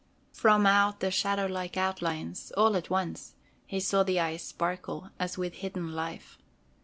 From out the shadow like outlines, all at once, he saw the eyes sparkle as with hidden life.